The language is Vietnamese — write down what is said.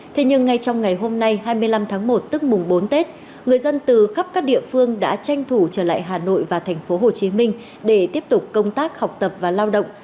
thế nhưng ngay trong ngày hôm nay hai mươi năm tháng một tức mùng bốn tết người dân từ khắp các địa phương đã tranh thủ trở lại hà nội và thành phố hồ chí minh để tiếp tục công tác học tập và lao động